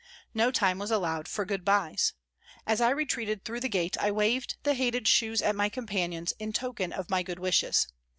No time was allowed for goodbyes. As I retreated through the gate I waved the hated shoes at my companions, in token of my good wishes.